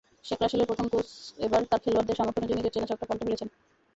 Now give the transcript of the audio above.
শেখ রাসেলের কোচ এবার তাঁর খেলোয়াড়দের সামর্থ্য অনুযায়ী নিজের চেনা ছকটা পাল্টে ফেলেছেন।